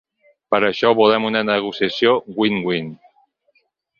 Per això volem una negociació “win-win”.